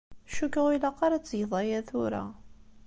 Cukkeɣ ur ilaq ara ad tgeḍ aya tura.